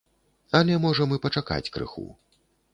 Але можам і пачакаць крыху.